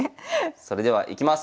それではいきます！